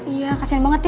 iya kasihan banget ya